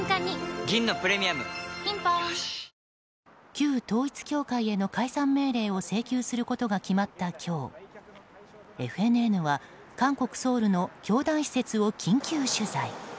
旧統一教会への解散命令を請求することが決まった今日ＦＮＮは韓国ソウルの教団施設を緊急取材。